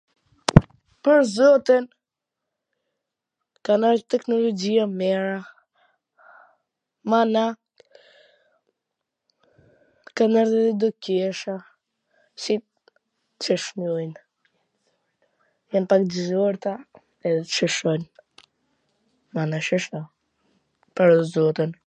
pwr zotin, kan ardh teknologjia t mira, mana kan ardh edhe ndo qiesha, si, siC thojn, jam pa inCizuar kta, siC thojn, mana .sheshna .. pwr zotin